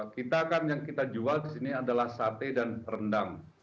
kita kan yang kita jual di sini adalah sate dan rendang